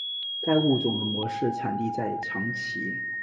该物种的模式产地在长崎。